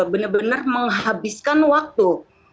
benar benar menghabiskan waktu